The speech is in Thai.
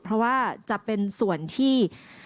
เพราะว่าจะเป็นส่วนที่